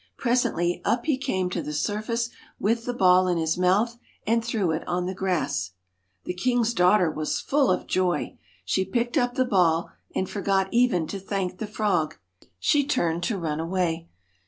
W ^ B Presently up he came to the surface with the ball in his mouth, and threw it on the grass. The king's daughter was full of joy. She picked up the ball, and forgot even to thank the frog. She turned to run away.